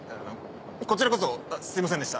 こちらこそすいませんでした。